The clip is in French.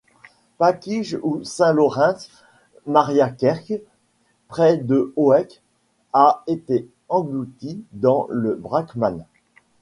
Pakinghe ou Sint-Laureins Mariakerke, près de Hoek a été engloutie dans le Braakman.